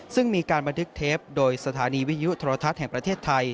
ซึ่งมีการบันทึกเทปโดยสถานีวิทยุโทรทัศน์แห่งประเทศไทย